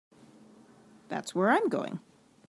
That's where I'm going.